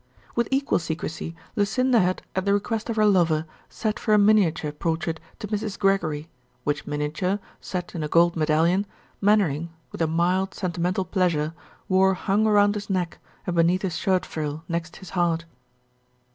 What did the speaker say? With equal secrecy Lucinda had, at the request of her lover, sat for a miniature portrait to Mrs. Gregory, which miniature, set in a gold medallion, Mainwaring, with a mild, sentimental pleasure, wore hung around his neck and beneath his shirt frill next his heart.